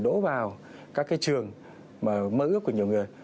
đổ vào các trường mơ ước của nhiều người